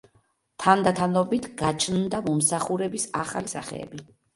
თანდათანობით გაჩნდა მომსახურების ახალი სახეები.